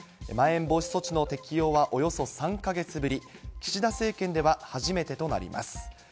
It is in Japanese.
まん延防止措置の適用はおよそ３か月ぶり、岸田政権では初めてとなります。